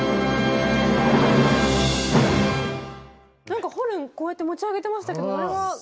なんかホルンこうやって持ち上げてましたけどあれは？